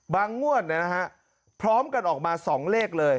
บางงวดเนี่ยนะฮะพร้อมกันออกมา๒เลขเลย